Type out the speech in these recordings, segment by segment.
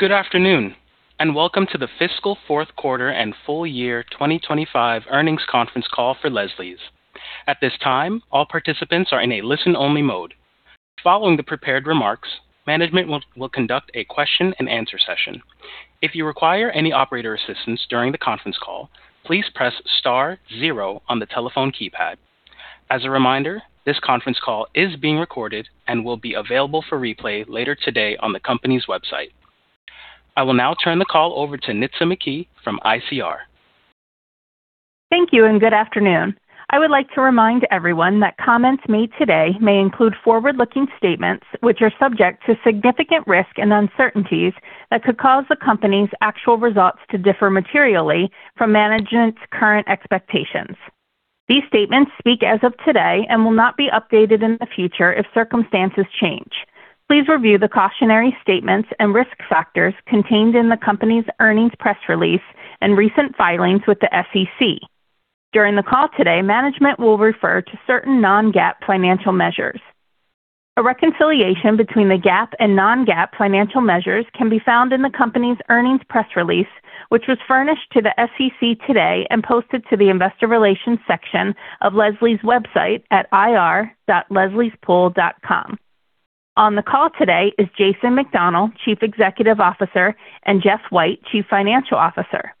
Good afternoon, and welcome to the Fiscal Fourth Quarter and Full Year 2025 Earnings Conference call for Leslie's. At this time, all participants are in a listen-only mode. Following the prepared remarks, management will conduct a question-and-answer session. If you require any operator assistance during the conference call, please press star zero on the telephone keypad. As a reminder, this conference call is being recorded and will be available for replay later today on the company's website. I will now turn the call over to Nitza McKee from ICR. Thank you, and good afternoon. I would like to remind everyone that comments made today may include forward-looking statements which are subject to significant risk and uncertainties that could cause the company's actual results to differ materially from management's current expectations. These statements speak as of today and will not be updated in the future if circumstances change. Please review the cautionary statements and risk factors contained in the company's earnings press release and recent filings with the SEC. During the call today, management will refer to certain non-GAAP financial measures. A reconciliation between the GAAP and non-GAAP financial measures can be found in the company's earnings press release, which was furnished to the SEC today and posted to the investor relations section of Leslie's website at ir.leslie'spool.com. On the call today is Jason McDonell, Chief Executive Officer, and Jeff White, Chief Financial Officer.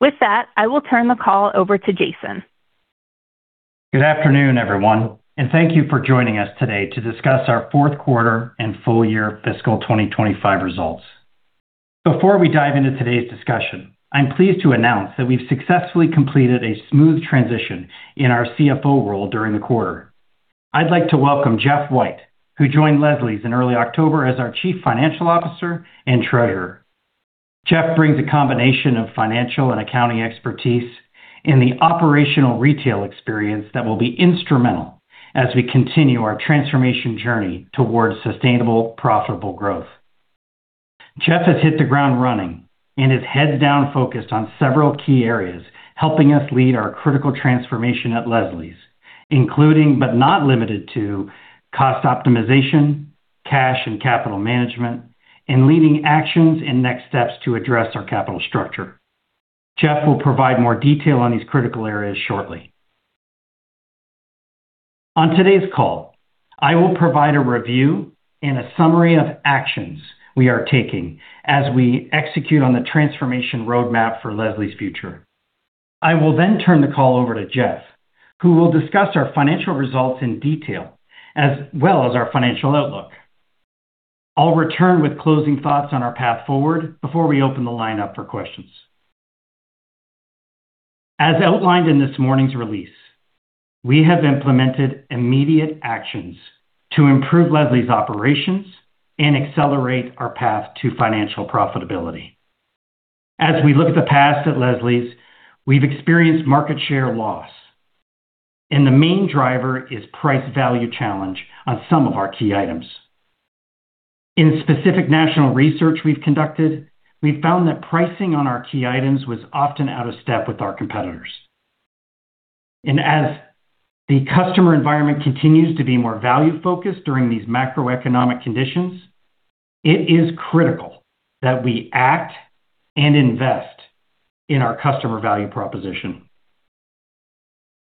With that, I will turn the call over to Jason. Good afternoon, everyone, and thank you for joining us today to discuss our Fourth Quarter and Full Year Fiscal 2025 results. Before we dive into today's discussion, I'm pleased to announce that we've successfully completed a smooth transition in our CFO role during the quarter. I'd like to welcome Jeff White, who joined Leslie's in early October as our Chief Financial Officer and Treasurer. Jeff brings a combination of financial and accounting expertise and the operational retail experience that will be instrumental as we continue our transformation journey toward sustainable, profitable growth. Jeff has hit the ground running and is heads-down focused on several key areas helping us lead our critical transformation at Leslie's, including but not limited to cost optimization, cash and capital management, and leading actions and next steps to address our capital structure. Jeff will provide more detail on these critical areas shortly. On today's call, I will provide a review and a summary of actions we are taking as we execute on the transformation roadmap for Leslie's future. I will then turn the call over to Jeff, who will discuss our financial results in detail as well as our financial outlook. I'll return with closing thoughts on our path forward before we open the line up for questions. As outlined in this morning's release, we have implemented immediate actions to improve Leslie's operations and accelerate our path to financial profitability. As we look at the past at Leslie's, we've experienced market share loss, and the main driver is price-value challenge on some of our key items. In specific national research we've conducted, we've found that pricing on our key items was often out of step with our competitors. And as the customer environment continues to be more value-focused during these macroeconomic conditions, it is critical that we act and invest in our customer value proposition.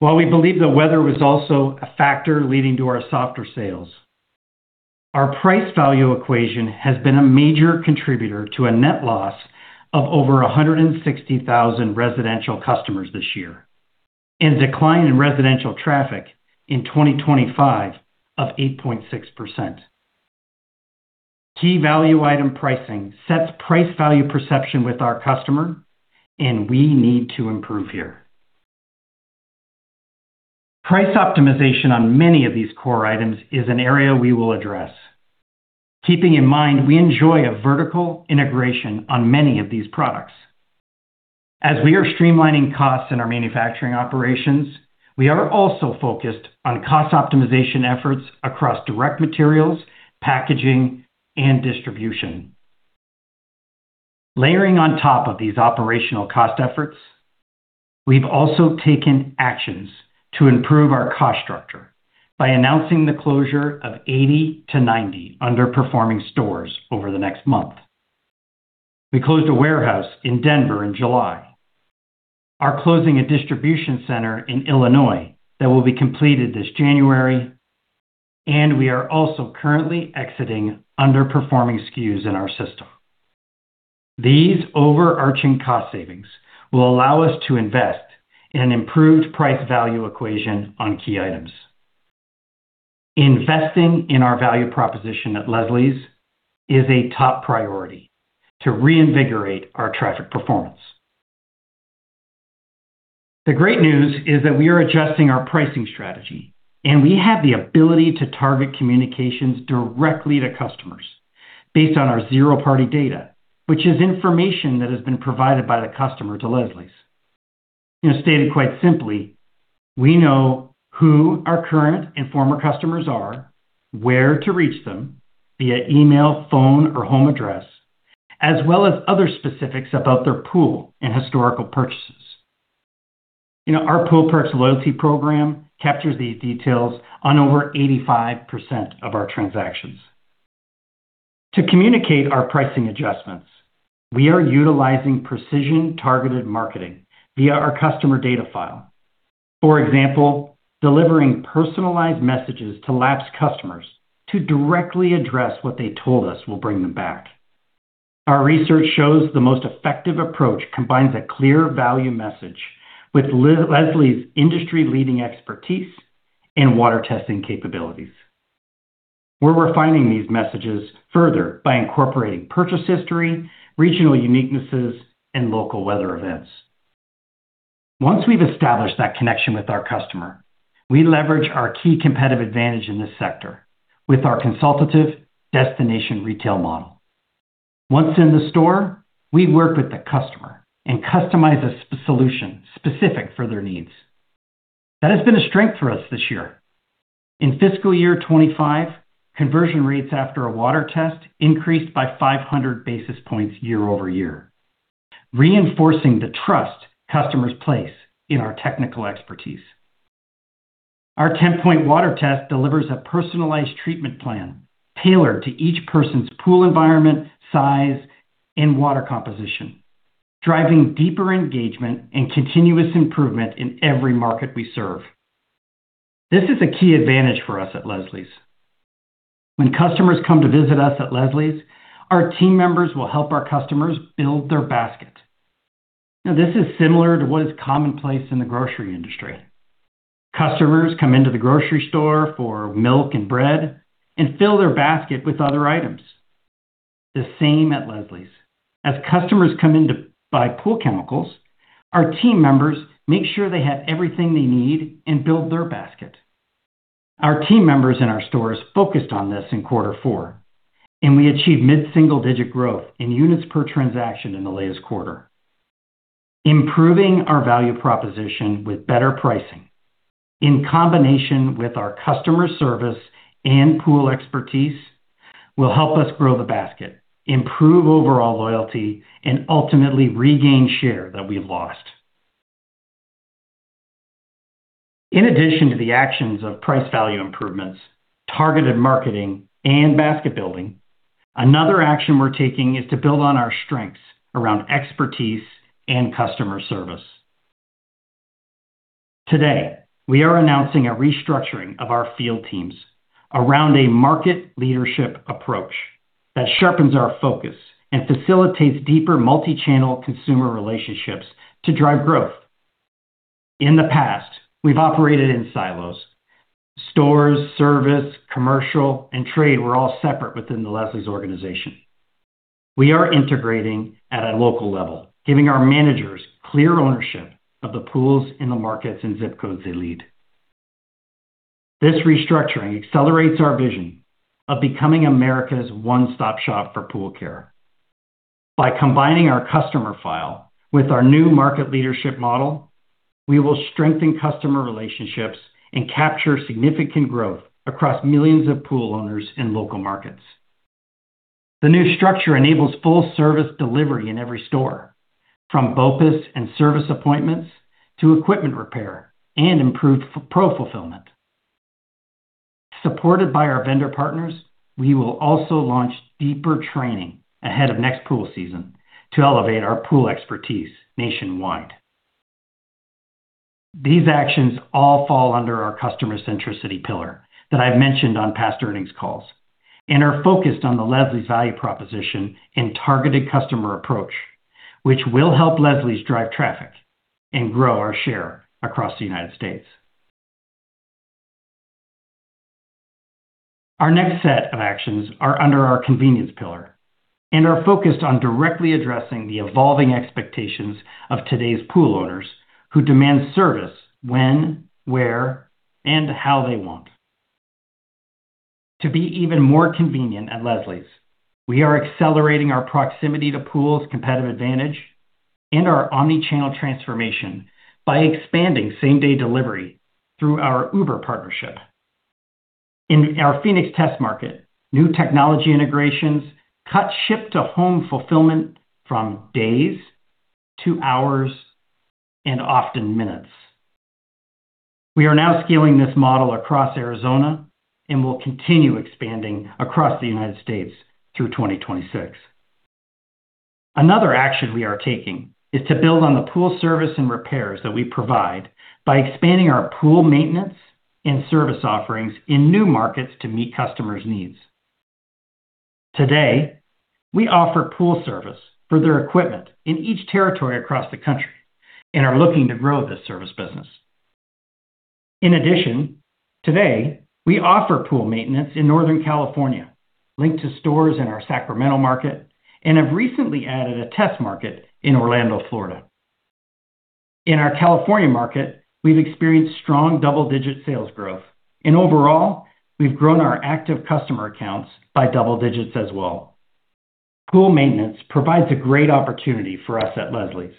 While we believe the weather was also a factor leading to our softer sales, our price-value equation has been a major contributor to a net loss of over 160,000 residential customers this year and a decline in residential traffic in 2025 of 8.6%. Key value item pricing sets price-value perception with our customer, and we need to improve here. Price optimization on many of these core items is an area we will address, keeping in mind we enjoy a vertical integration on many of these products. As we are streamlining costs in our manufacturing operations, we are also focused on cost optimization efforts across direct materials, packaging, and distribution. Layering on top of these operational cost efforts, we've also taken actions to improve our cost structure by announcing the closure of 80 to 90 underperforming stores over the next month. We closed a warehouse in Denver in July, are closing a distribution center in Illinois that will be completed this January, and we are also currently exiting underperforming SKUs in our system. These overarching cost savings will allow us to invest in an improved price-value equation on key items. Investing in our value proposition at Leslie's is a top priority to reinvigorate our traffic performance. The great news is that we are adjusting our pricing strategy, and we have the ability to target communications directly to customers based on our zero-party data, which is information that has been provided by the customer to Leslie's. Stated quite simply, we know who our current and former customers are, where to reach them via email, phone, or home address, as well as other specifics about their pool and historical purchases. Our Pool Perks Loyalty Program captures these details on over 85% of our transactions. To communicate our pricing adjustments, we are utilizing precision-targeted marketing via our customer data file. For example, delivering personalized messages to lapsed customers to directly address what they told us will bring them back. Our research shows the most effective approach combines a clear value message with Leslie's industry-leading expertise and water testing capabilities. We're refining these messages further by incorporating purchase history, regional uniquenesses, and local weather events. Once we've established that connection with our customer, we leverage our key competitive advantage in this sector with our consultative destination retail model. Once in the store, we work with the customer and customize a solution specific for their needs. That has been a strength for us this year. In fiscal year 2025, conversion rates after a water test increased by 500 bps year over year, reinforcing the trust customers place in our technical expertise. Our 10-point water test delivers a personalized treatment plan tailored to each person's pool environment, size, and water composition, driving deeper engagement and continuous improvement in every market we serve. This is a key advantage for us at Leslie's. When customers come to visit us at Leslie's, our team members will help our customers build their basket. This is similar to what is commonplace in the grocery industry. Customers come into the grocery store for milk and bread and fill their basket with other items. The same at Leslie's. As customers come in to buy pool chemicals, our team members make sure they have everything they need and build their basket. Our team members in our stores focused on this in quarter four, and we achieved mid-single-digit growth in units per transaction in the latest quarter. Improving our value proposition with better pricing in combination with our customer service and pool expertise will help us grow the basket, improve overall loyalty, and ultimately regain share that we've lost. In addition to the actions of price-value improvements, targeted marketing, and basket building, another action we're taking is to build on our strengths around expertise and customer service. Today, we are announcing a restructuring of our field teams around a market leadership approach that sharpens our focus and facilitates deeper multi-channel consumer relationships to drive growth. In the past, we've operated in silos. Stores, service, commercial, and trade were all separate within the Leslie's organization. We are integrating at a local level, giving our managers clear ownership of the pools and the markets and zip codes they lead. This restructuring accelerates our vision of becoming America's one-stop shop for pool care. By combining our customer file with our new market leadership model, we will strengthen customer relationships and capture significant growth across millions of pool owners in local markets. The new structure enables full-service delivery in every store, from BOPIS and service appointments to equipment repair and improved pro fulfillment. Supported by our vendor partners, we will also launch deeper training ahead of next pool season to elevate our pool expertise nationwide. These actions all fall under our customer centricity pillar that I've mentioned on past earnings calls and are focused on the Leslie's value proposition and targeted customer approach, which will help Leslie's drive traffic and grow our share across the United States. Our next set of actions are under our convenience pillar and are focused on directly addressing the evolving expectations of today's pool owners who demand service when, where, and how they want. To be even more convenient at Leslie's, we are accelerating our proximity to pools' competitive advantage and our omnichannel transformation by expanding same-day delivery through our Uber partnership. In our Phoenix test market, new technology integrations cut ship-to-home fulfillment from days to hours and often minutes. We are now scaling this model across Arizona and will continue expanding across the United States through 2026. Another action we are taking is to build on the pool service and repairs that we provide by expanding our pool maintenance and service offerings in new markets to meet customers' needs. Today, we offer pool service for their equipment in each territory across the country and are looking to grow this service business. In addition, today, we offer pool maintenance in Northern California, linked to stores in our Sacramento market, and have recently added a test market in Orlando, Florida. In our California market, we've experienced strong double-digit sales growth, and overall, we've grown our active customer accounts by double digits as well. Pool maintenance provides a great opportunity for us at Leslie's.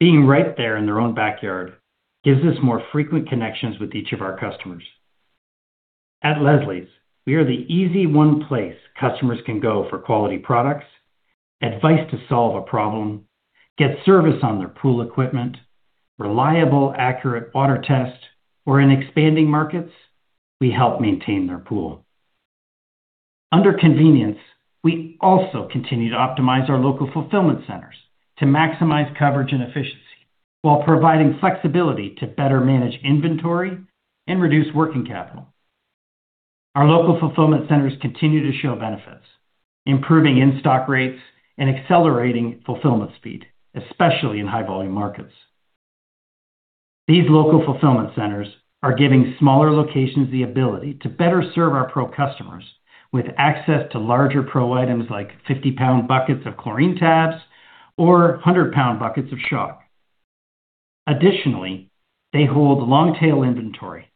Being right there in their own backyard gives us more frequent connections with each of our customers. At Leslie's, we are the easy one place customers can go for quality products, advice to solve a problem, get service on their pool equipment, reliable, accurate water test, or in expanding markets, we help maintain their pool. Under convenience, we also continue to optimize our local fulfillment centers to maximize coverage and efficiency while providing flexibility to better manage inventory and reduce working capital. Our local fulfillment centers continue to show benefits, improving in-stock rates and accelerating fulfillment speed, especially in high-volume markets. These local fulfillment centers are giving smaller locations the ability to better serve our pro customers with access to larger pro items like 50-pound buckets of chlorine tabs or 100-pound buckets of shock. Additionally, they hold long-tail inventory,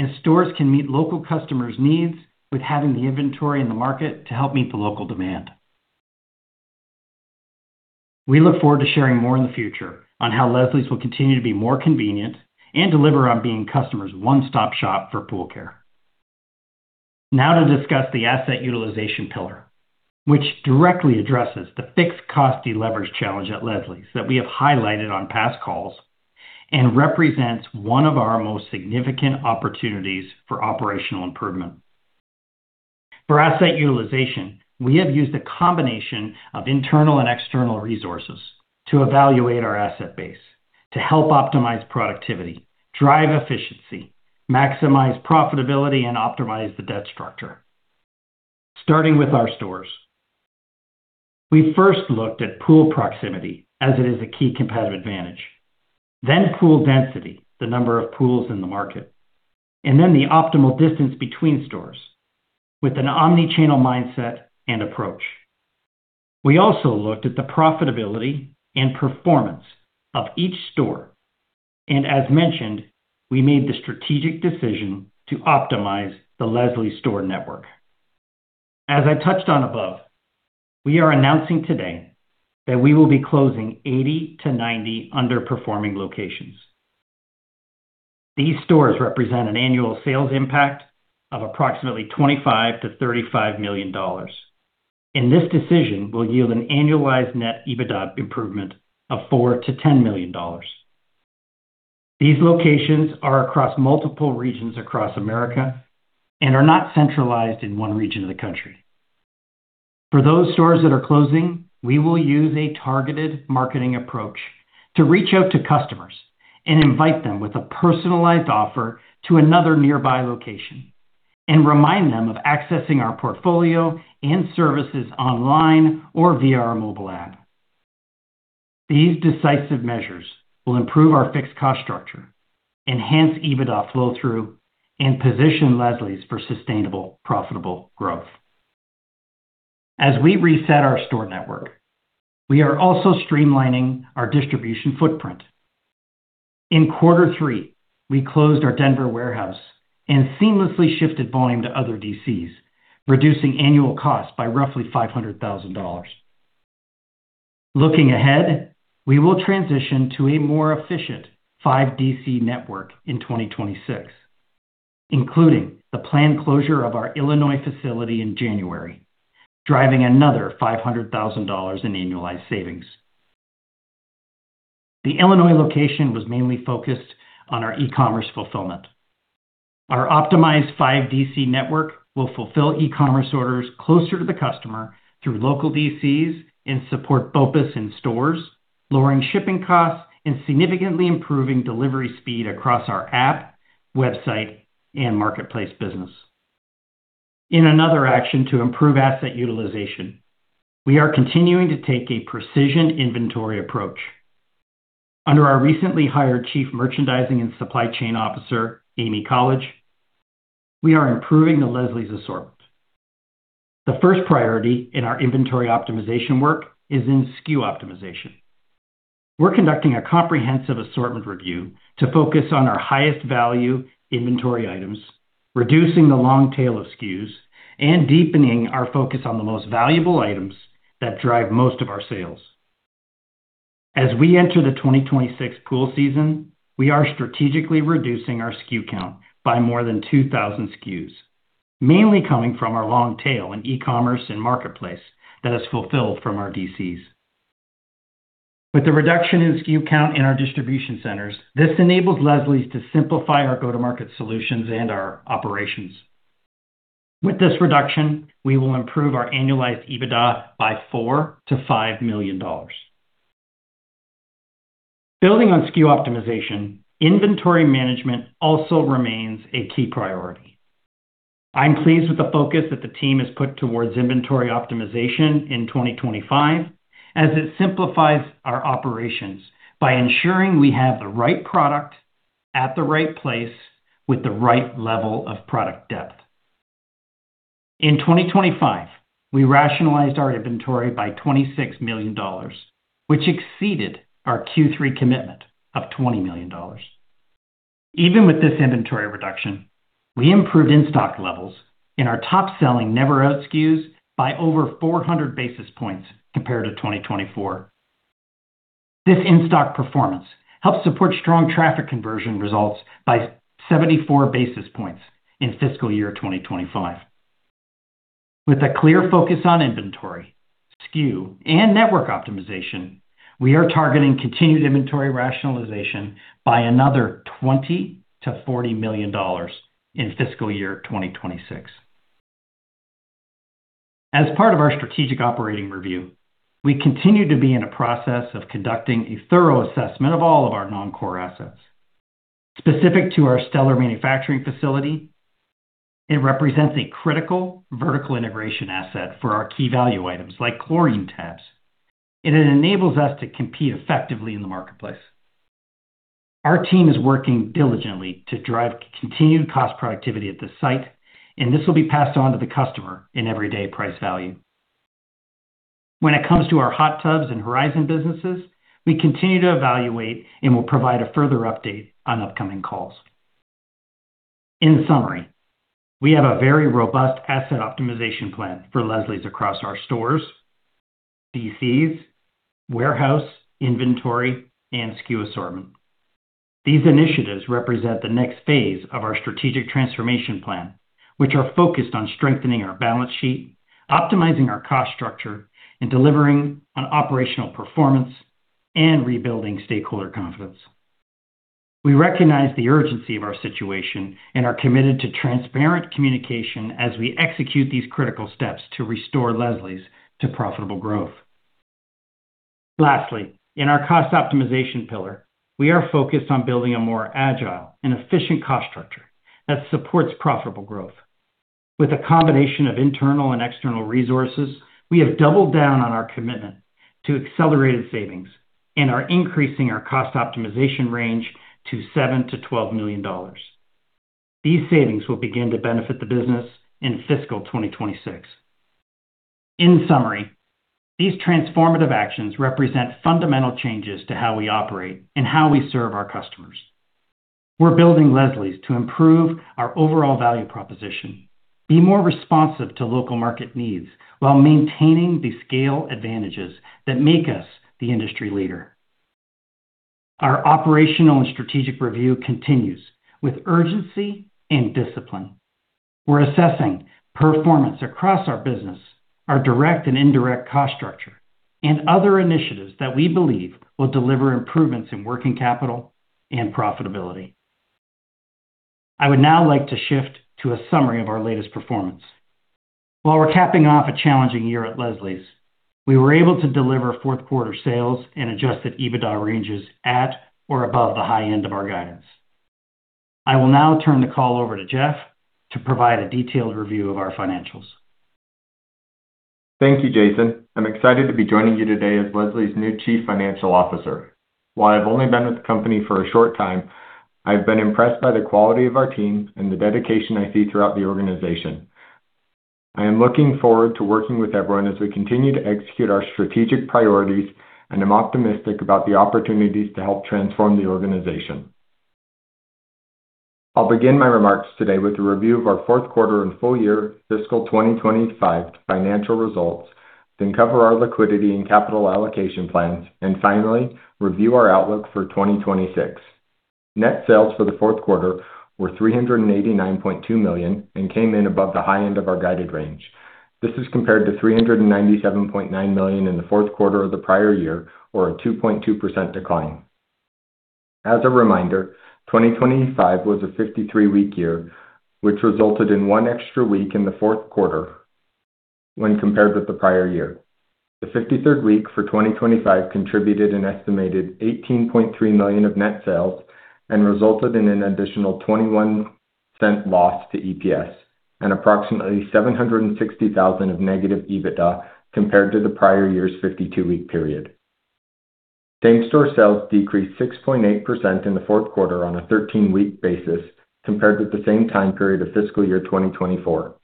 and stores can meet local customers' needs with having the inventory in the market to help meet the local demand. We look forward to sharing more in the future on how Leslie's will continue to be more convenient and deliver on being customers' one-stop shop for pool care. Now to discuss the asset utilization pillar, which directly addresses the fixed cost delivery challenge at Leslie's that we have highlighted on past calls and represents one of our most significant opportunities for operational improvement. For asset utilization, we have used a combination of internal and external resources to evaluate our asset base to help optimize productivity, drive efficiency, maximize profitability, and optimize the debt structure. Starting with our stores, we first looked at pool proximity as it is a key competitive advantage, then pool density, the number of pools in the market, and then the optimal distance between stores with an omnichannel mindset and approach. We also looked at the profitability and performance of each store, and as mentioned, we made the strategic decision to optimize the Leslie's store network. As I touched on above, we are announcing today that we will be closing 80 to 90 underperforming locations. These stores represent an annual sales impact of approximately $25 million to $35 million, and this decision will yield an annualized net EBITDA improvement of $4 million to $10 million. These locations are across multiple regions across America and are not centralized in one region of the country. For those stores that are closing, we will use a targeted marketing approach to reach out to customers and invite them with a personalized offer to another nearby location and remind them of accessing our portfolio and services online or via our mobile app. These decisive measures will improve our fixed cost structure, enhance EBITDA flow-through, and position Leslie's for sustainable, profitable growth. As we reset our store network, we are also streamlining our distribution footprint. In Quarter Three, we closed our Denver warehouse and seamlessly shifted volume to other DCs, reducing annual costs by roughly $500,000. Looking ahead, we will transition to a more efficient 5DC network in 2026, including the planned closure of our Illinois facility in January, driving another $500,000 in annualized savings. The Illinois location was mainly focused on our e-commerce fulfillment. Our optimized 5DC network will fulfill e-commerce orders closer to the customer through local DCs and support BOPIS in stores, lowering shipping costs and significantly improving delivery speed across our app, website, and marketplace business. In another action to improve asset utilization, we are continuing to take a precision inventory approach. Under our recently hired Chief Merchandising and Supply Chain Officer, Amy College, we are improving the Leslie's assortment. The first priority in our inventory optimization work is in SKU optimization. We're conducting a comprehensive assortment review to focus on our highest value inventory items, reducing the long tail of SKUs and deepening our focus on the most valuable items that drive most of our sales. As we enter the 2026 pool season, we are strategically reducing our SKU count by more than 2,000 SKUs, mainly coming from our long tail in e-commerce and marketplace that is fulfilled from our DCs. With the reduction in SKU count in our distribution centers, this enables Leslie's to simplify our go-to-market solutions and our operations. With this reduction, we will improve our annualized EBITDA by $4 million to $5 million. Building on SKU optimization, inventory management also remains a key priority. I'm pleased with the focus that the team has put towards inventory optimization in 2025, as it simplifies our operations by ensuring we have the right product at the right place with the right level of product depth. In 2025, we rationalized our inventory by $26 million, which exceeded our Q3 commitment of $20 million. Even with this inventory reduction, we improved in-stock levels in our top-selling never-out SKUs by over 400 bps compared to 2024. This in-stock performance helps support strong traffic conversion results by 74 bps in fiscal year 2025. With a clear focus on inventory, SKU, and network optimization, we are targeting continued inventory rationalization by another $20 million to $40 million in fiscal year 2026. As part of our strategic operating review, we continue to be in a process of conducting a thorough assessment of all of our non-core assets. Specific to our Stellar manufacturing facility, it represents a critical vertical integration asset for our key value items like chlorine tabs, and it enables us to compete effectively in the marketplace. Our team is working diligently to drive continued cost productivity at the site, and this will be passed on to the customer in everyday price value. When it comes to our hot tubs and Horizon businesses, we continue to evaluate and will provide a further update on upcoming calls. In summary, we have a very robust asset optimization plan for Leslie's across our stores, DCs, warehouse, inventory, and SKU assortment. These initiatives represent the next phase of our strategic transformation plan, which are focused on strengthening our balance sheet, optimizing our cost structure, and delivering on operational performance and rebuilding stakeholder confidence. We recognize the urgency of our situation and are committed to transparent communication as we execute these critical steps to restore Leslie's to profitable growth. Lastly, in our cost optimization pillar, we are focused on building a more agile and efficient cost structure that supports profitable growth. With a combination of internal and external resources, we have doubled down on our commitment to accelerated savings and are increasing our cost optimization range to $7 million-$12 million. These savings will begin to benefit the business in fiscal 2026. In summary, these transformative actions represent fundamental changes to how we operate and how we serve our customers. We're building Leslie's to improve our overall value proposition, be more responsive to local market needs while maintaining the scale advantages that make us the industry leader. Our operational and strategic review continues with urgency and discipline. We're assessing performance across our business, our direct and indirect cost structure, and other initiatives that we believe will deliver improvements in working capital and profitability. I would now like to shift to a summary of our latest performance. While we're capping off a challenging year at Leslie's, we were able to deliver fourth-quarter sales and Adjusted EBITDA ranges at or above the high end of our guidance. I will now turn the call over to Jeff to provide a detailed review of our financials. Thank you, Jason. I'm excited to be joining you today as Leslie's new Chief Financial Officer. While I've only been with the company for a short time, I've been impressed by the quality of our team and the dedication I see throughout the organization. I am looking forward to working with everyone as we continue to execute our strategic priorities, and I'm optimistic about the opportunities to help transform the organization. I'll begin my remarks today with a review of our fourth quarter and full year fiscal 2025 financial results, then cover our liquidity and capital allocation plans, and finally, review our outlook for 2026. Net sales for the fourth quarter were $389.2 million and came in above the high end of our guided range. This is compared to $397.9 million in the fourth quarter of the prior year, or a 2.2% decline. As a reminder, 2025 was a 53-week year, which resulted in one extra week in the fourth quarter when compared with the prior year. The 53rd week for 2025 contributed an estimated $18.3 million of net sales and resulted in an additional 21% loss to EPS and approximately $760,000 of negative EBITDA compared to the prior year's 52-week period. Same-store sales decreased 6.8% in the fourth quarter on a 13-week basis compared with the same time period of fiscal year 2024.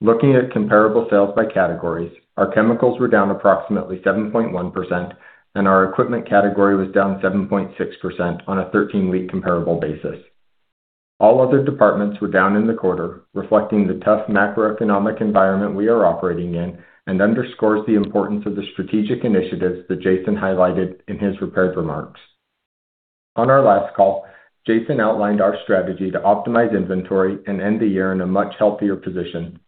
Looking at comparable sales by categories, our chemicals were down approximately 7.1%, and our equipment category was down 7.6% on a 13-week comparable basis. All other departments were down in the quarter, reflecting the tough macroeconomic environment we are operating in and underscores the importance of the strategic initiatives that Jason highlighted in his prepared remarks. On our last call, Jason outlined our strategy to optimize inventory and end the year in a much healthier position.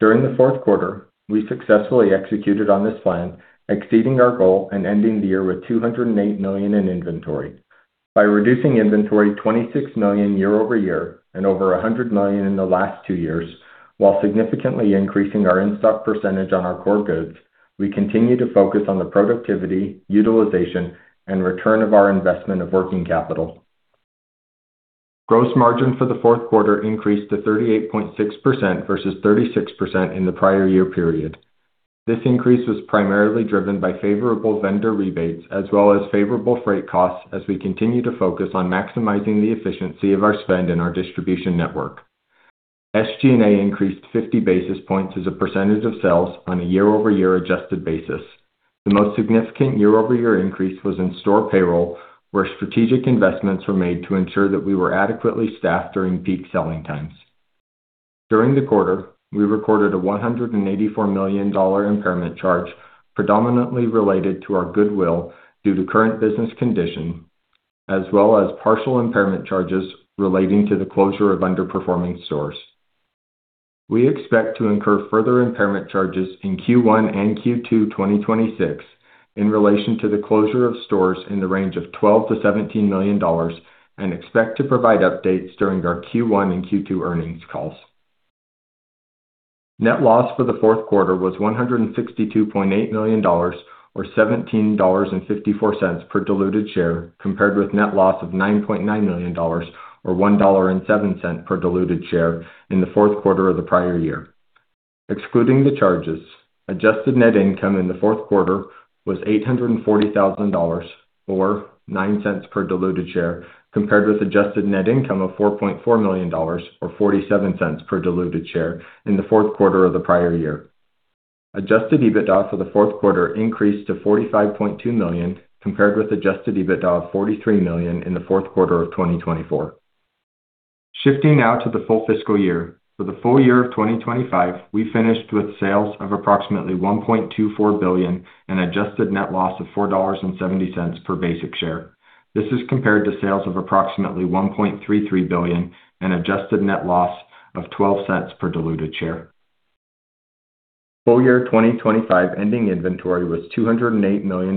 During the fourth quarter, we successfully executed on this plan, exceeding our goal and ending the year with $208 million in inventory. By reducing inventory $26 million year over year and over $100 million in the last two years, while significantly increasing our in-stock percentage on our core goods, we continue to focus on the productivity, utilization, and return of our investment of working capital. Gross margin for the fourth quarter increased to 38.6% versus 36% in the prior year period. This increase was primarily driven by favorable vendor rebates as well as favorable freight costs as we continue to focus on maximizing the efficiency of our spend in our distribution network. SG&A increased 50 bps as a percentage of sales on a year-over-year adjusted basis. The most significant year-over-year increase was in store payroll, where strategic investments were made to ensure that we were adequately staffed during peak selling times. During the quarter, we recorded a $184 million impairment charge, predominantly related to our goodwill due to current business condition, as well as partial impairment charges relating to the closure of underperforming stores. We expect to incur further impairment charges in Q1 and Q2 2026 in relation to the closure of stores in the range of $12-$17 million and expect to provide updates during our Q1 and Q2 earnings calls. Net loss for the fourth quarter was $162.8 million, or $17.54 per diluted share, compared with net loss of $9.9 million, or $1.07 per diluted share in the fourth quarter of the prior year. Excluding the charges, adjusted net income in the fourth quarter was $840,000, or $0.09 per diluted share, compared with adjusted net income of $4.4 million, or $0.47 per diluted share in the fourth quarter of the prior year. Adjusted EBITDA for the fourth quarter increased to $45.2 million, compared with adjusted EBITDA of $43 million in the fourth quarter of 2024. Shifting now to the full fiscal year, for the full year of 2025, we finished with sales of approximately $1.24 billion and adjusted net loss of $4.70 per basic share. This is compared to sales of approximately $1.33 billion and adjusted net loss of $0.12 per diluted share. Full year 2025 ending inventory was $208 million,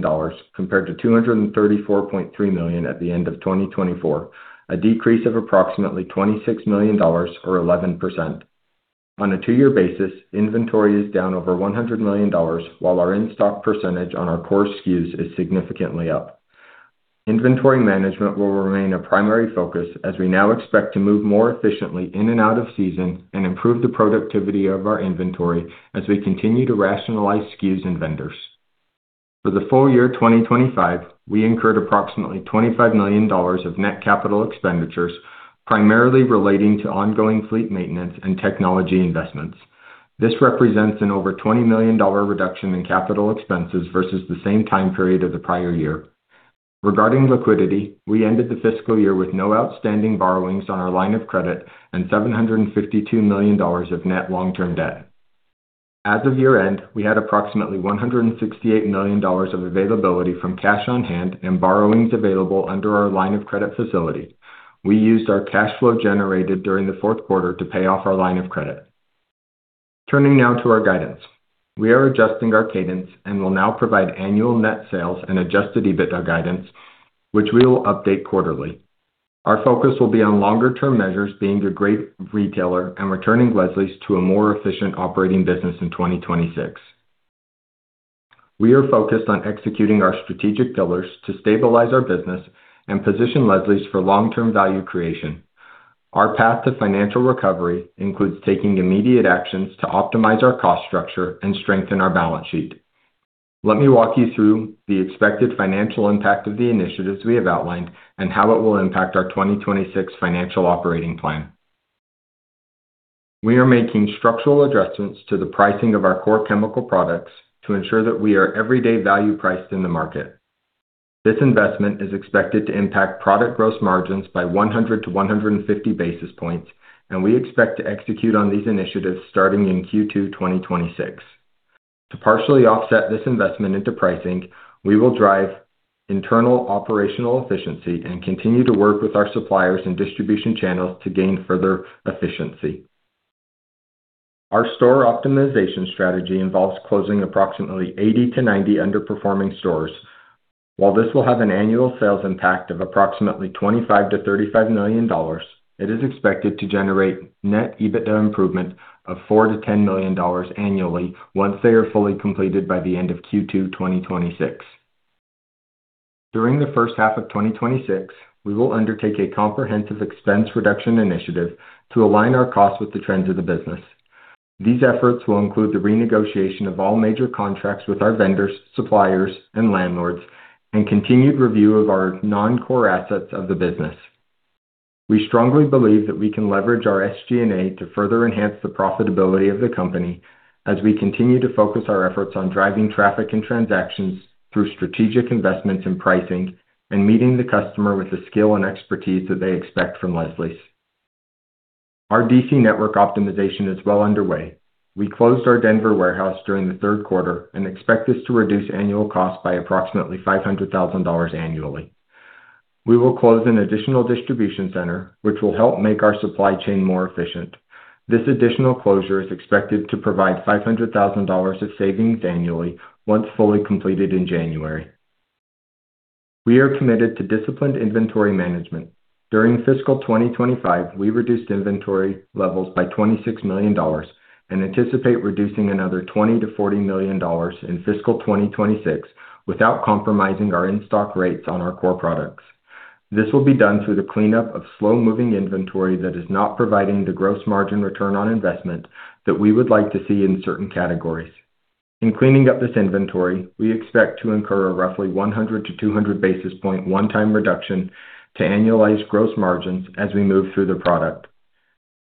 compared to $234.3 million at the end of 2024, a decrease of approximately $26 million, or 11%. On a two-year basis, inventory is down over $100 million, while our in-stock percentage on our core SKUs is significantly up. Inventory management will remain a primary focus as we now expect to move more efficiently in and out of season and improve the productivity of our inventory as we continue to rationalize SKUs and vendors. For the full year 2025, we incurred approximately $25 million of net capital expenditures, primarily relating to ongoing fleet maintenance and technology investments. This represents an over $20 million reduction in capital expenses versus the same time period of the prior year. Regarding liquidity, we ended the fiscal year with no outstanding borrowings on our line of credit and $752 million of net long-term debt. As of year-end, we had approximately $168 million of availability from cash on hand and borrowings available under our line of credit facility. We used our cash flow generated during the fourth quarter to pay off our line of credit. Turning now to our guidance, we are adjusting our cadence and will now provide annual net sales and adjusted EBITDA guidance, which we will update quarterly. Our focus will be on longer-term measures being a great retailer and returning Leslie's to a more efficient operating business in 2026. We are focused on executing our strategic pillars to stabilize our business and position Leslie's for long-term value creation. Our path to financial recovery includes taking immediate actions to optimize our cost structure and strengthen our balance sheet. Let me walk you through the expected financial impact of the initiatives we have outlined and how it will impact our 2026 financial operating plan. We are making structural adjustments to the pricing of our core chemical products to ensure that we are every day value priced in the market. This investment is expected to impact product gross margins by 100 bps to 150 bps, and we expect to execute on these initiatives starting in Q2 2026. To partially offset this investment into pricing, we will drive internal operational efficiency and continue to work with our suppliers and distribution channels to gain further efficiency. Our store optimization strategy involves closing approximately 80 to 90 underperforming stores. While this will have an annual sales impact of approximately $25 million to $35 million, it is expected to generate net EBITDA improvement of $4 million to $10 million annually once they are fully completed by the end of Q2 2026. During the first half of 2026, we will undertake a comprehensive expense reduction initiative to align our costs with the trends of the business. These efforts will include the renegotiation of all major contracts with our vendors, suppliers, and landlords, and continued review of our non-core assets of the business. We strongly believe that we can leverage our SG&A to further enhance the profitability of the company as we continue to focus our efforts on driving traffic and transactions through strategic investments in pricing and meeting the customer with the skill and expertise that they expect from Leslie's. Our DC network optimization is well underway. We closed our Denver warehouse during the third quarter and expect this to reduce annual costs by approximately $500,000 annually. We will close an additional distribution center, which will help make our supply chain more efficient. This additional closure is expected to provide $500,000 of savings annually once fully completed in January. We are committed to disciplined inventory management. During fiscal 2025, we reduced inventory levels by $26 million and anticipate reducing another $20 million to $40 million in fiscal 2026 without compromising our in-stock rates on our core products. This will be done through the cleanup of slow-moving inventory that is not providing the gross margin return on investment that we would like to see in certain categories. In cleaning up this inventory, we expect to incur a roughly 100 bps to 200 bps one-time reduction to annualized gross margins as we move through the product.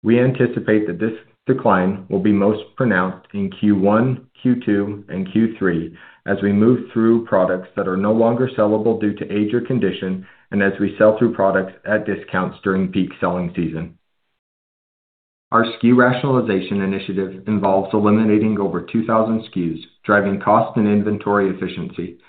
We anticipate that this decline will be most pronounced in Q1, Q2, and Q3 as we move through products that are no longer sellable due to age or condition and as we sell through products at discounts during peak selling season. Our SKU rationalization initiative involves eliminating over 2,000 SKUs, driving cost and inventory efficiency.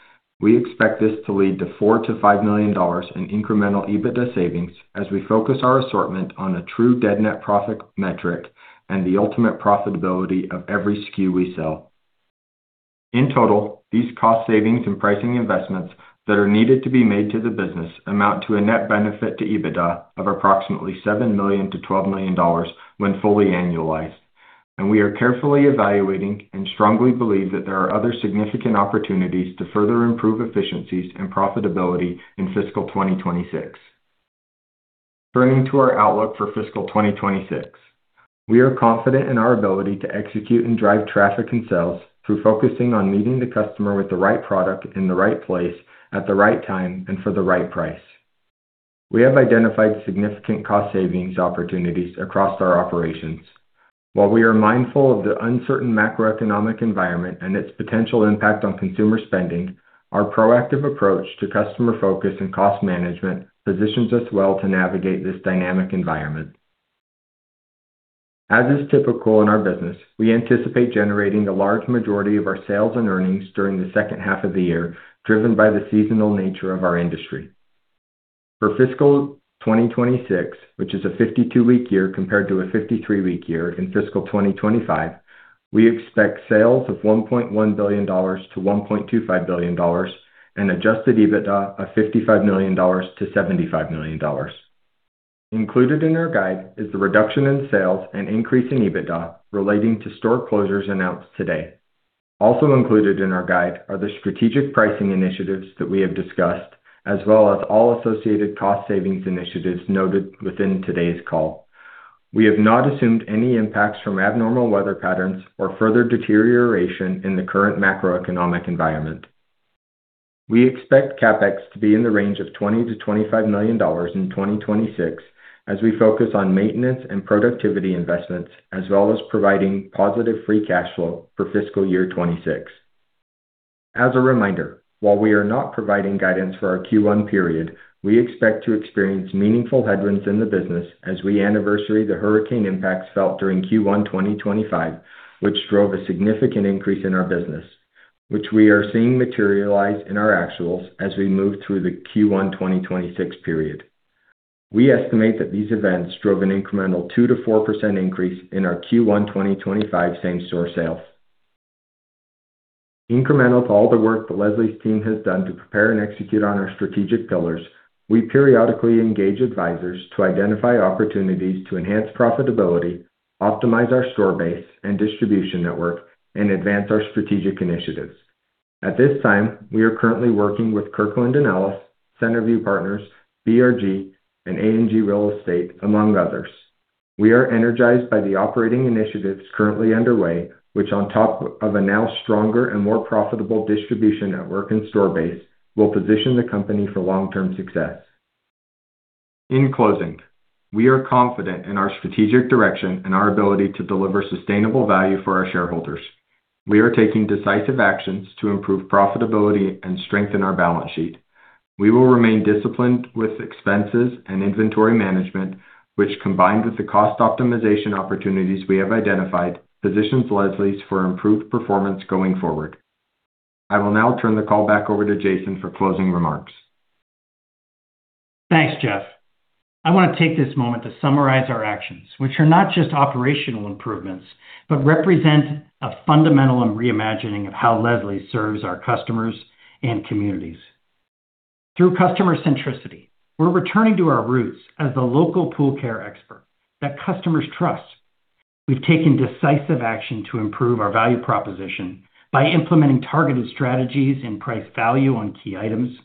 We expect this to lead to $4 million to $5 million in incremental EBITDA savings as we focus our assortment on a true dead net profit metric and the ultimate profitability of every SKU we sell. In total, these cost savings and pricing investments that are needed to be made to the business amount to a net benefit to EBITDA of approximately $7 million to $12 million when fully annualized, and we are carefully evaluating and strongly believe that there are other significant opportunities to further improve efficiencies and profitability in fiscal 2026. Turning to our outlook for fiscal 2026, we are confident in our ability to execute and drive traffic and sales through focusing on meeting the customer with the right product in the right place, at the right time, and for the right price. We have identified significant cost savings opportunities across our operations. While we are mindful of the uncertain macroeconomic environment and its potential impact on consumer spending, our proactive approach to customer focus and cost management positions us well to navigate this dynamic environment. As is typical in our business, we anticipate generating the large majority of our sales and earnings during the second half of the year, driven by the seasonal nature of our industry. For fiscal 2026, which is a 52-week year compared to a 53-week year in fiscal 2025, we expect sales of $1.1 billion to $1.25 billion and Adjusted EBITDA of $55 million to $75 million. Included in our guide is the reduction in sales and increase in EBITDA relating to store closures announced today. Also included in our guide are the strategic pricing initiatives that we have discussed, as well as all associated cost savings initiatives noted within today's call. We have not assumed any impacts from abnormal weather patterns or further deterioration in the current macroeconomic environment. We expect CapEx to be in the range of $20-$25 million in 2026 as we focus on maintenance and productivity investments, as well as providing positive free cash flow for fiscal year 2026. As a reminder, while we are not providing guidance for our Q1 period, we expect to experience meaningful headwinds in the business as we anniversary the hurricane impacts felt during Q1 2025, which drove a significant increase in our business, which we are seeing materialize in our actuals as we move through the Q1 2026 period. We estimate that these events drove an incremental 2% to 4% increase in our Q1 2025 same-store sales. Incremental to all the work that Leslie's team has done to prepare and execute on our strategic pillars, we periodically engage advisors to identify opportunities to enhance profitability, optimize our store base and distribution network, and advance our strategic initiatives. At this time, we are currently working with Kirkland and Ellis, Centerview Partners, BRG, and A&G Real Estate, among others. We are energized by the operating initiatives currently underway, which, on top of a now stronger and more profitable distribution network and store base, will position the company for long-term success. In closing, we are confident in our strategic direction and our ability to deliver sustainable value for our shareholders. We are taking decisive actions to improve profitability and strengthen our balance sheet. We will remain disciplined with expenses and inventory management, which, combined with the cost optimization opportunities we have identified, positions Leslie's for improved performance going forward. I will now turn the call back over to Jason for closing remarks. Thanks, Jeff. I want to take this moment to summarize our actions, which are not just operational improvements, but represent a fundamental reimagining of how Leslie serves our customers and communities. Through customer centricity, we're returning to our roots as the local pool care expert that customers trust. We've taken decisive action to improve our value proposition by implementing targeted strategies and price value on key items,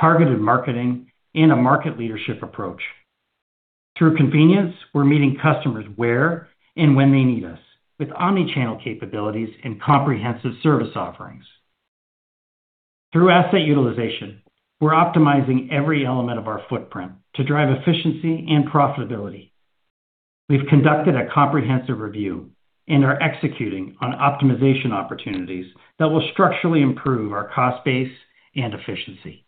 targeted marketing, and a market leadership approach. Through convenience, we're meeting customers where and when they need us, with omnichannel capabilities and comprehensive service offerings. Through asset utilization, we're optimizing every element of our footprint to drive efficiency and profitability. We've conducted a comprehensive review and are executing on optimization opportunities that will structurally improve our cost base and efficiency.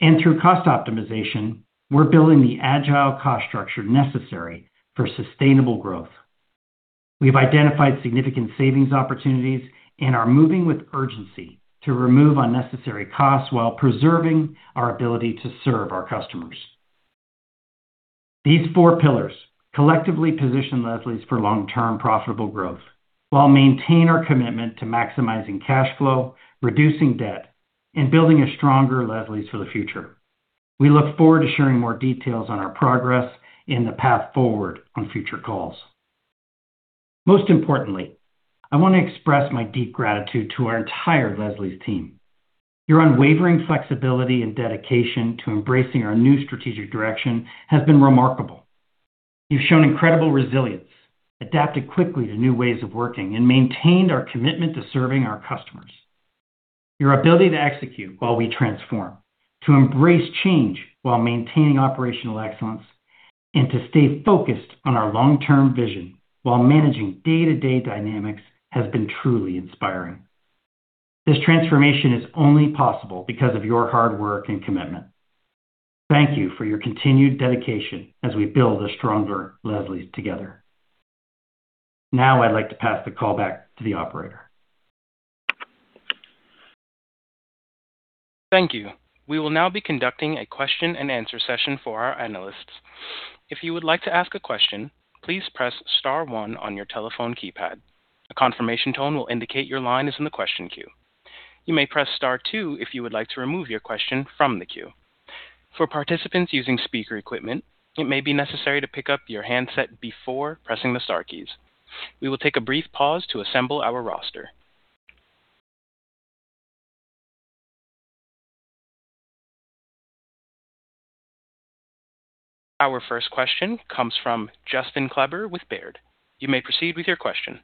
And through cost optimization, we're building the agile cost structure necessary for sustainable growth. We've identified significant savings opportunities and are moving with urgency to remove unnecessary costs while preserving our ability to serve our customers. These four pillars collectively position Leslie's for long-term profitable growth while maintaining our commitment to maximizing cash flow, reducing debt, and building a stronger Leslie's for the future. We look forward to sharing more details on our progress and the path forward on future calls. Most importantly, I want to express my deep gratitude to our entire Leslie's team. Your unwavering flexibility and dedication to embracing our new strategic direction has been remarkable. You've shown incredible resilience, adapted quickly to new ways of working, and maintained our commitment to serving our customers. Your ability to execute while we transform, to embrace change while maintaining operational excellence, and to stay focused on our long-term vision while managing day-to-day dynamics has been truly inspiring. This transformation is only possible because of your hard work and commitment. Thank you for your continued dedication as we build a stronger Leslie's together. Now I'd like to pass the call back to the operator. Thank you. We will now be conducting a question-and-answer session for our analysts. If you would like to ask a question, please press star one on your telephone keypad. A confirmation tone will indicate your line is in the question queue. You may press star two if you would like to remove your question from the queue. For participants using speaker equipment, it may be necessary to pick up your handset before pressing the star keys. We will take a brief pause to assemble our roster. Our first question comes from Justin Kleber with Baird. You may proceed with your question.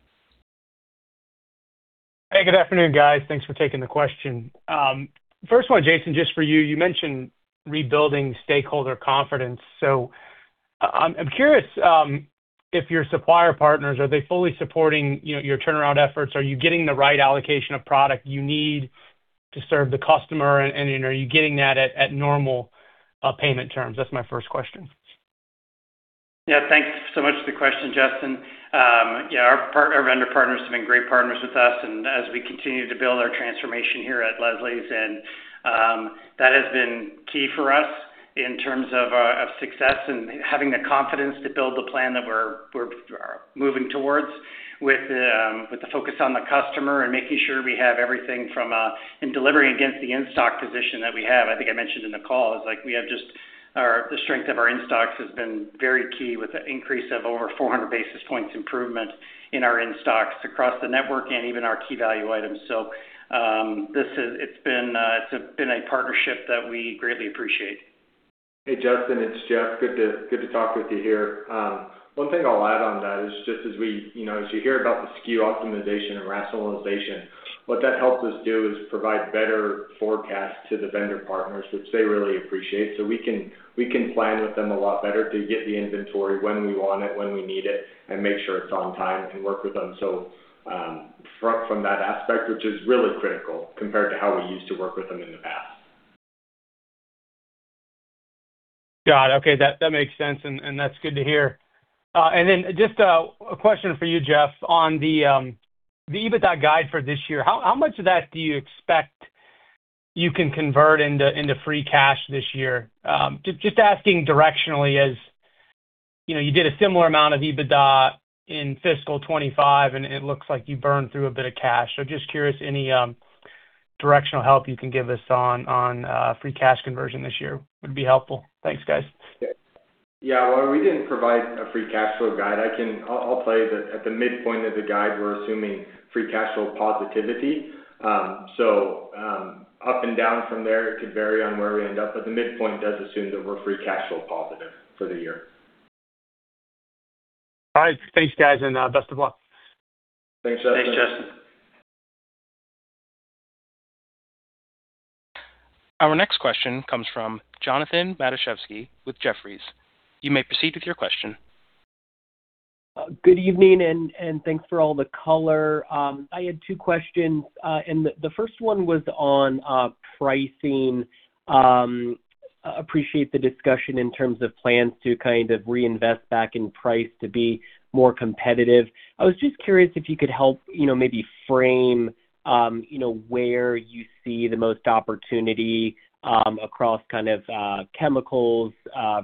Hey, good afternoon, guys. Thanks for taking the question. First of all, Jason, just for you, you mentioned rebuilding stakeholder confidence. So I'm curious if your supplier partners are fully supporting your turnaround efforts? Are you getting the right allocation of product you need to serve the customer? And are you getting that at normal payment terms? That's my first question. Yeah, thanks so much for the question, Justin. Yeah, our vendor partners have been great partners with us, and as we continue to build our transformation here at Leslie's, that has been key for us in terms of success and having the confidence to build the plan that we're moving towards with the focus on the customer and making sure we have everything from in delivering against the in-stock position that we have. I think I mentioned in the call as we have just the strength of our in-stocks has been very key with the increase of over 400 bps improvement in our in-stocks across the network and even our key value items. So it's been a partnership that we greatly appreciate. Hey, Justin, it's Jeff. Good to talk with you here. One thing I'll add on that is just as you hear about the SKU optimization and rationalization, what that helps us do is provide better forecasts to the vendor partners, which they really appreciate. So we can plan with them a lot better to get the inventory when we want it, when we need it, and make sure it's on time and work with them from that aspect, which is really critical compared to how we used to work with them in the past. Got it. Okay, that makes sense, and that's good to hear. And then just a question for you, Jeff, on the EBITDA guide for this year. How much of that do you expect you can convert into free cash this year? Just asking directionally as you did a similar amount of EBITDA in fiscal 2025, and it looks like you burned through a bit of cash. So, just curious, any directional help you can give us on free cash conversion this year would be helpful. Thanks, guys. Yeah, well, we didn't provide a free cash flow guide. I'll tell you that at the midpoint of the guide, we're assuming free cash flow positivity. So up and down from there, it could vary on where we end up, but the midpoint does assume that we're free cash flow positive for the year. All right, thanks, guys, and best of luck. Thanks, Justin. Thanks, Justin. Our next question comes from Jonathan Matuszewski with Jefferies. You may proceed with your question. Good evening, and thanks for all the color. I had two questions, and the first one was on pricing. Appreciate the discussion in terms of plans to kind of reinvest back in price to be more competitive. I was just curious if you could help maybe frame where you see the most opportunity across kind of chemicals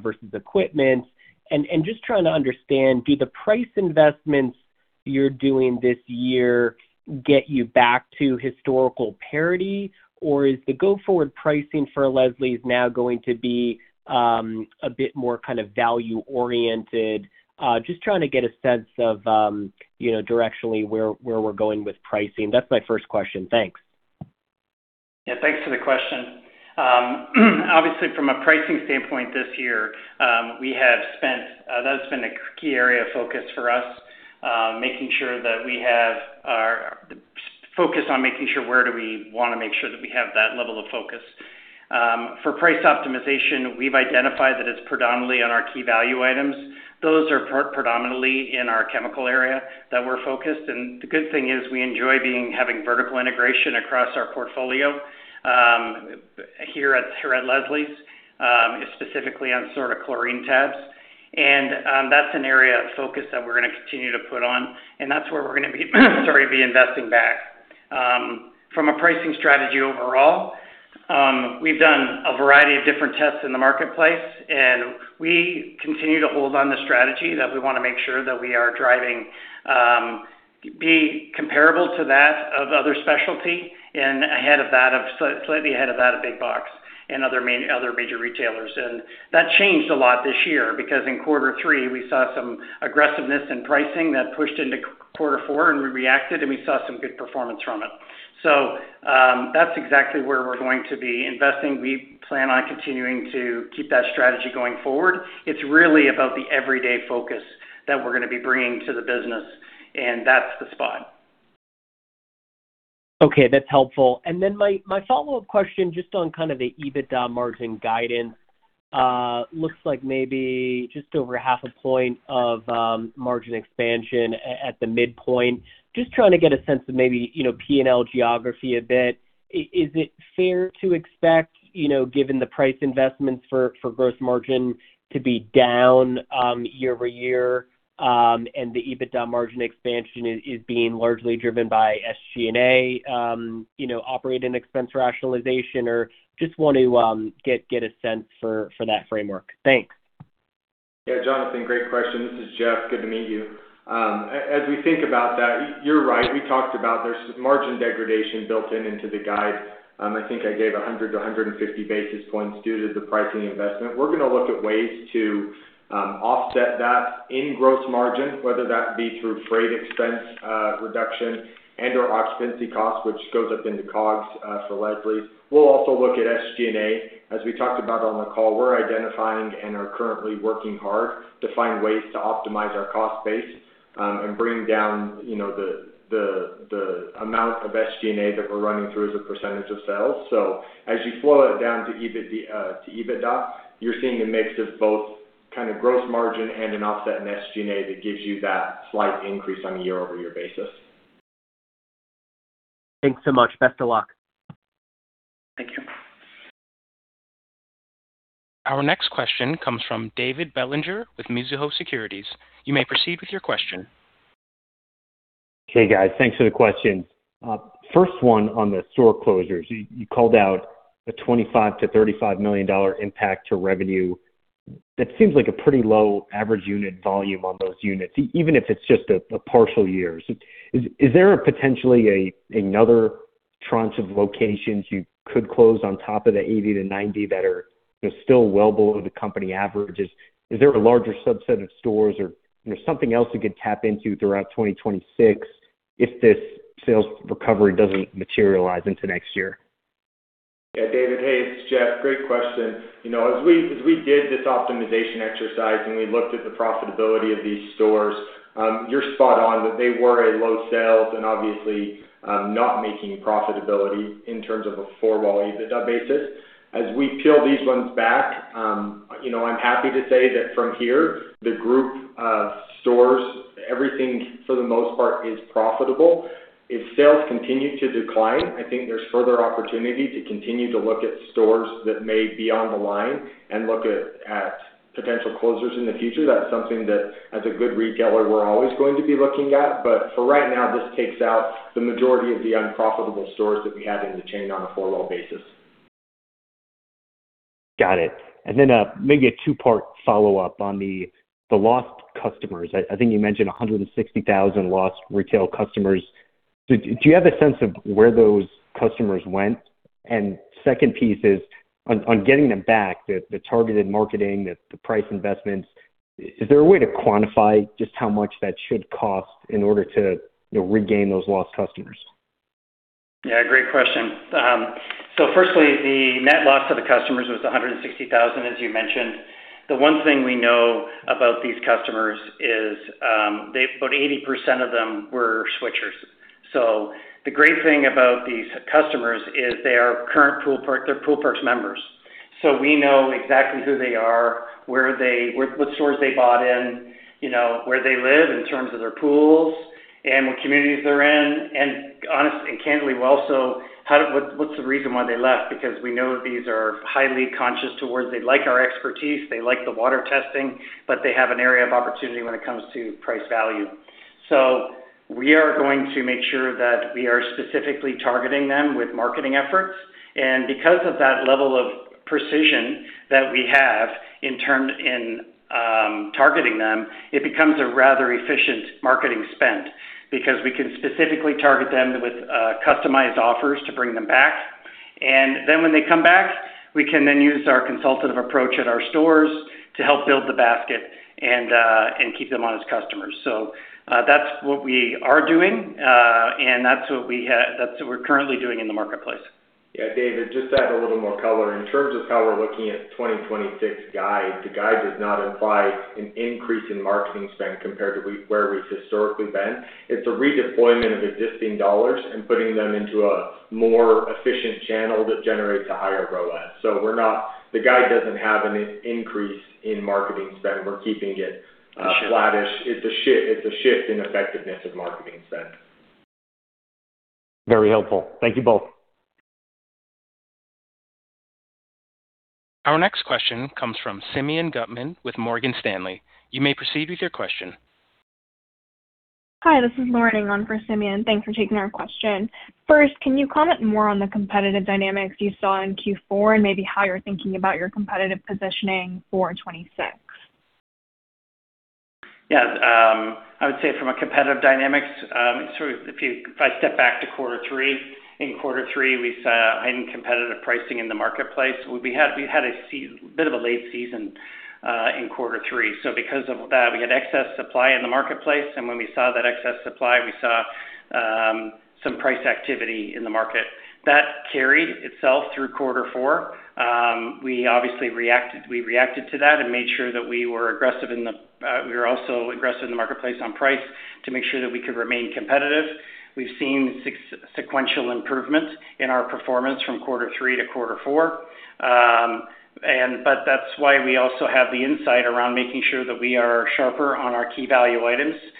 versus equipment. And just trying to understand, do the price investments you're doing this year get you back to historical parity, or is the go-forward pricing for Leslie's now going to be a bit more kind of value-oriented? Just trying to get a sense of directionally where we're going with pricing. That's my first question. Thanks. Yeah, thanks for the question. Obviously, from a pricing standpoint this year, we have spent; that's been a key area of focus for us, making sure that we have that level of focus. For price optimization, we've identified that it's predominantly on our key value items. Those are predominantly in our chemical area that we're focused. The good thing is we enjoy having vertical integration across our portfolio here at Leslie's, specifically on sort of chlorine tabs. That's an area of focus that we're going to continue to put on, and that's where we're going to be investing back. From a pricing strategy overall, we've done a variety of different tests in the marketplace, and we continue to hold on the strategy that we want to make sure that we are driving to be comparable to that of other specialty and ahead of that, slightly ahead of that of Big Box and other major retailers. That changed a lot this year because in quarter three, we saw some aggressiveness in pricing that pushed into quarter four, and we reacted, and we saw some good performance from it. So that's exactly where we're going to be investing. We plan on continuing to keep that strategy going forward. It's really about the everyday focus that we're going to be bringing to the business, and that's the spot. Okay, that's helpful. And then my follow-up question just on kind of the EBITDA margin guidance looks like maybe just over half a point of margin expansion at the midpoint. Just trying to get a sense of maybe P&L geography a bit. Is it fair to expect, given the price investments for gross margin, to be down year over year and the EBITDA margin expansion is being largely driven by SG&A operating expense rationalization? Or just want to get a sense for that framework. Thanks. Yeah, Jonathan, great question. This is Jeff. Good to meet you. As we think about that, you're right. We talked about there's margin degradation built into the guide. I think I gave 100 bps to 150 bps due to the pricing investment. We're going to look at ways to offset that in gross margin, whether that be through freight expense reduction and/or occupancy costs, which goes up into COGS for Leslie's. We'll also look at SG&A. As we talked about on the call, we're identifying and are currently working hard to find ways to optimize our cost base and bring down the amount of SG&A that we're running through as a percentage of sales. So as you flow it down to EBITDA, you're seeing a mix of both kind of gross margin and an offset in SG&A that gives you that slight increase on a year-over-year basis. Thanks so much. Best of luck. Thank you. Our next question comes from David Bellinger with Mizuho Securities. You may proceed with your question. Hey, guys. Thanks for the question. First one on the store closures. You called out a $25 million to $35 million impact to revenue. That seems like a pretty low average unit volume on those units, even if it's just a partial year. Is there potentially another tranche of locations you could close on top of the 80 to 90 that are still well below the company averages? Is there a larger subset of stores or something else you could tap into throughout 2026 if this sales recovery doesn't materialize into next year? Yeah, David, hey, it's Jeff. Great question. As we did this optimization exercise and we looked at the profitability of these stores, you're spot on that they were a low sales and obviously not making profitability in terms of a four-wall EBITDA basis. As we peel these ones back, I'm happy to say that from here, the group of stores, everything for the most part is profitable. If sales continue to decline, I think there's further opportunity to continue to look at stores that may be on the line and look at potential closures in the future. That's something that, as a good retailer, we're always going to be looking at. But for right now, this takes out the majority of the unprofitable stores that we had in the chain on a four-wall basis. Got it. And then maybe a two-part follow-up on the lost customers. I think you mentioned 160,000 lost retail customers. Do you have a sense of where those customers went? And second piece is on getting them back, the targeted marketing, the price investments. Is there a way to quantify just how much that should cost in order to regain those lost customers? Yeah, great question. So firstly, the net loss of the customers was 160,000, as you mentioned. The one thing we know about these customers is about 80% of them were switchers. So the great thing about these customers is they are current Pool Perks members. So we know exactly who they are, what stores they bought in, where they live in terms of their pools, and what communities they're in. And honestly and candidly, we also know what's the reason why they left. Because we know these are highly price conscious. They like our expertise, they like the water testing, but they have an area of opportunity when it comes to price value. So we are going to make sure that we are specifically targeting them with marketing efforts. And because of that level of precision that we have in targeting them, it becomes a rather efficient marketing spend because we can specifically target them with customized offers to bring them back. And then when they come back, we can then use our consultative approach at our stores to help build the basket and keep them on as customers. So that's what we are doing, and that's what we're currently doing in the marketplace. Yeah, David, just to add a little more color, in terms of how we're looking at the 2026 guide, the guide does not imply an increase in marketing spend compared to where we've historically been. It's a redeployment of existing dollars and putting them into a more efficient channel that generates a higher ROAS. So the guide doesn't have an increase in marketing spend. We're keeping it flattish. It's a shift in effectiveness of marketing spend. Very helpful. Thank you both. Our next question comes from Simeon Gutman with Morgan Stanley. You may proceed with your question. Hi, this is Lauren Inglund for Simeon. Thanks for taking our question. First, can you comment more on the competitive dynamics you saw in Q4 and maybe how you're thinking about your competitive positioning for 2026? Yeah, I would say from a competitive dynamics, if I step back to quarter three, in quarter three, we saw high competitive pricing in the marketplace. We had a bit of a late season in quarter three. So because of that, we had excess supply in the marketplace, and when we saw that excess supply, we saw some price activity in the market. That carried itself through quarter four. We obviously reacted to that and made sure that we were aggressive in the marketplace on price to make sure that we could remain competitive. We've seen sequential improvements in our performance from quarter three to quarter four. But that's why we also have the insight around making sure that we are sharper on our key value items, and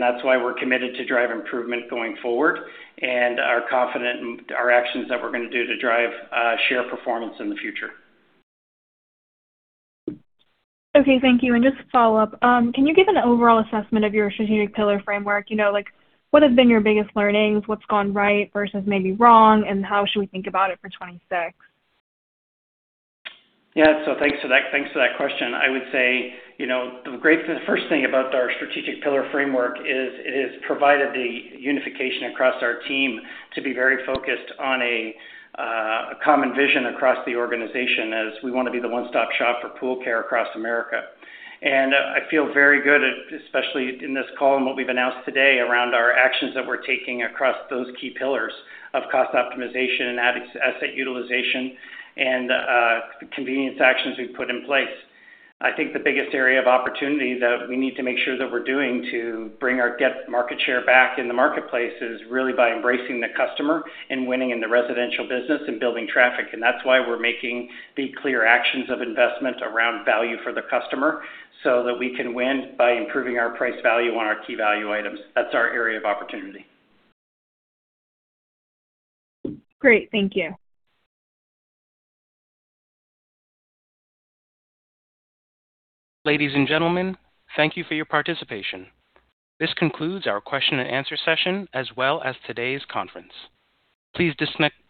that's why we're committed to drive improvement going forward and our actions that we're going to do to drive share performance in the future. Okay, thank you. And just to follow up, can you give an overall assessment of your strategic pillar framework? What have been your biggest learnings? What's gone right versus maybe wrong, and how should we think about it for 2026? Yeah, so thanks for that question. I would say the great first thing about our strategic pillar framework is it has provided the unification across our team to be very focused on a common vision across the organization as we want to be the one-stop shop for pool care across America, and I feel very good, especially in this call and what we've announced today around our actions that we're taking across those key pillars of cost optimization and asset utilization and convenience actions we've put in place. I think the biggest area of opportunity that we need to make sure that we're doing to bring our market share back in the marketplace is really by embracing the customer and winning in the residential business and building traffic. And that's why we're making the clear actions of investment around value for the customer so that we can win by improving our price value on our key value items. That's our area of opportunity. Great. Thank you. Ladies and gentlemen, thank you for your participation. This concludes our question and answer session as well as today's conference. Please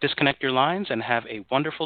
disconnect your lines and have a wonderful.